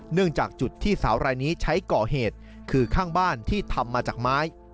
เนื่องจากจุดที่สาวรายนี้ใช้ก่อเหตุคือข้างบ้านที่ทำมาจากไม้